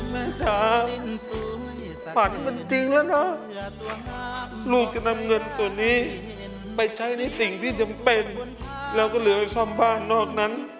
แม่จ๋าฝันมันจริงแล้วนะลูกจะนำเงินส่วนนี้ไปใช้ในสิ่งที่จำเป็นเราก็เหลือซ่อมบ้านนอกนั้น